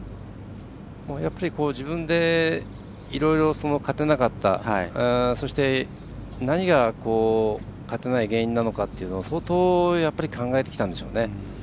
自分でいろいろ勝てなかったそして、何が勝てない原因なのかということを相当、考えてきたんでしょうね。